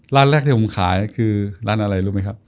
ร้านแรกที่ผมขายคือร้านอะไรรู้ไหมครับ